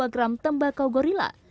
empat dua gram tembakau gorila